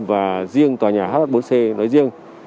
và riêng tòa nhà hh bốn c nói riêng